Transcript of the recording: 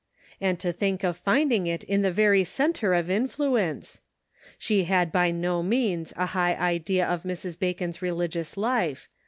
And to think of finding it in the very center of influence ! She had by no means a high idea of Mrs. Bacon's religious life.